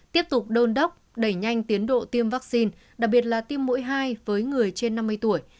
tiếp tục đôn đốc đẩy nhanh tiến độ tiêm vaccine đặc biệt là tiêm mũi hai với người trên năm mươi tuổi